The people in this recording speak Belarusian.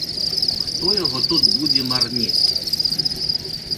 Хто яго тут будзе марнець.